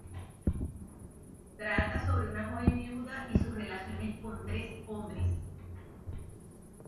Trata sobre una joven viuda y sus relaciones con tres hombres.